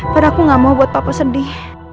padahal aku gak mau buat papa sedih